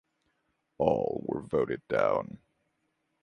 All were voted down.